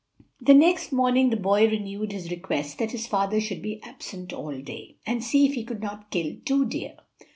The next morning the boy renewed his request that his father should be absent all day, and see if he could not kill two deer.